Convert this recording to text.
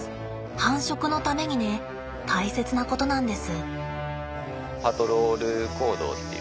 繁殖のためにね大切なことなんです。